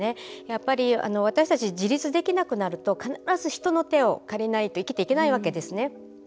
私たち自立できなくなると必ず人の手を借りないと生きていけなくなるんですね。